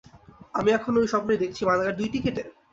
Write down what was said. আমি এখনও ঐ স্বপ্নই দেখছি মাগার দুই টিকেটে?